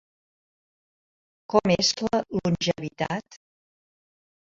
Com és la longevitat?